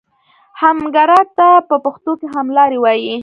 همګرا ته په پښتو کې هملاری وایي.